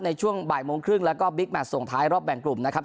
ในช่วงบ่ายโมงครึ่งแล้วก็บิ๊กแมทส่งท้ายรอบแบ่งกลุ่มนะครับ